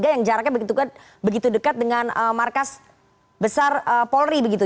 yang jaraknya begitu dekat dengan markas besar polri begitu